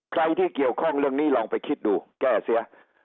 ใครที่เกี่ยวข้องเรื่องนี้ลองไปคิดดูแก้เสีย